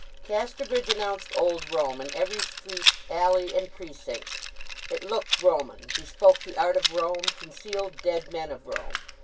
Casterbridge announced old Rome in every street, alley, and precinct. It looked Roman, bespoke the art of Rome, concealed dead men of Rome.